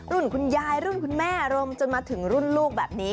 คุณยายรุ่นคุณแม่รวมจนมาถึงรุ่นลูกแบบนี้